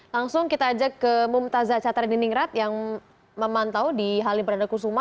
langsung kita ajak ke mumtazah cater diningrat yang memantau di halim perdana kusuma